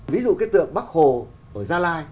ví dụ cái tượng bắc hồ ở gia lai